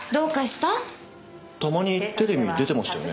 たまにテレビに出てましたよね